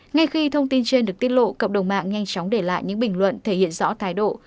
ngay khi thông tin trên được tiết lộ cộng đồng mạng nhanh chóng để lại những bình luận thể hiện rõ thái độ